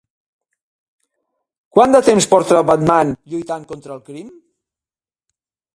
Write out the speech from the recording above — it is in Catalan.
Quant de temps porta Batman lluitant contra el crim?